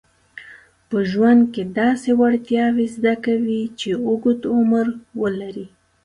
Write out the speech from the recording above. په ژوند کې داسې وړتیاوې زده کوي چې اوږد عمر ولري.